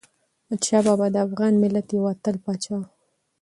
احمدشاه بابا د افغان ملت یو اتل پاچا و.